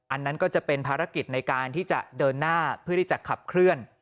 อันนั้นก็จะเป็นภารกิจในการที่จะเดินหน้าเพื่อที่จะขับเคลื่อน